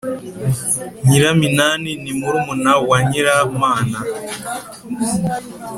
nyiraminani ni murumuna wa nyiramana.